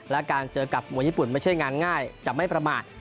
และการเจอกับมวยญี่ปุ่นไม่ใช่งานง่ายจะไม่ประมาท